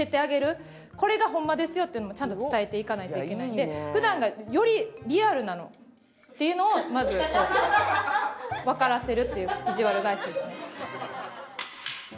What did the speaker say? これがホンマですよっていうのもちゃんと伝えていかないといけないので普段がよりリアルなのっていうのをまずわからせるっていういじわる返しですね。